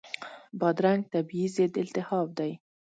بادرنګ طبیعي ضد التهاب دی.